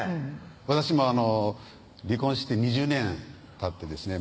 私も離婚して２０年たってですね